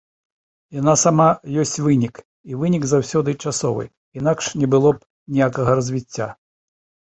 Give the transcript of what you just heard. Яна сама ёсць вынік, і вынік заўсёды часовы, інакш не было б ніякага развіцця.